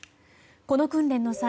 この訓練の際